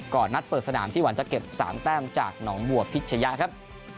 นัดเปิดสนามที่หวังจะเก็บ๓แต้มจากหนองบัวพิชยะครับ